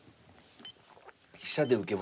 飛車で受けますか。